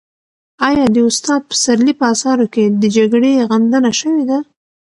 آیا د استاد پسرلي په اثارو کې د جګړې غندنه شوې ده؟